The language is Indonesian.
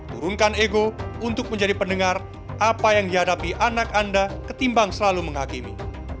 turunkan ego untuk menjadi pendengar apa yang dihadapi anak anda ketimbang selalu menghakimi